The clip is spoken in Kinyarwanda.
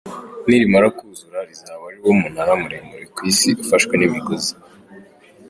Nirimara kuzura rizaba ari wo munara muremure ku isi ufashwe n’imigozi.